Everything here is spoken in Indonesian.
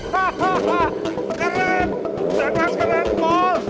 wah keren den mas keren pol